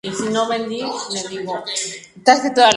Es elegante, relajado y apuesto.